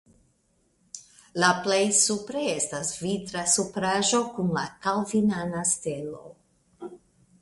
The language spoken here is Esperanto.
La plej supre estas vitra supraĵo kun la kalvinana stelo.